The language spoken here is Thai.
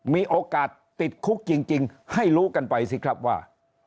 มีโอกาสติดคุกจริงให้รู้กันไปสิครับว่า